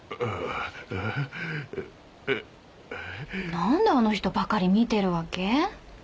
なんであの人ばかり見てるわけ？